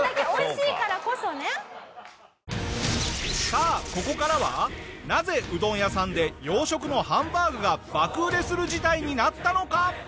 さあここからはなぜうどん屋さんで洋食のハンバーグが爆売れする事態になったのか！？